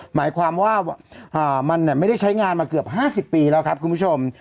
หมายความว่ามันไม่ได้ใช้งานมาเกือบ๕๐ปีแล้วครับคุณผู้ชม